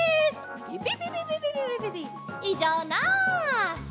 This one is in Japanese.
いじょうなし！